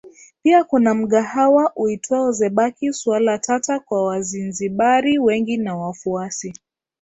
Pia kuna mgahawa uitwao zebaki Suala tata kwa Wazinzibari wengi na wafuasi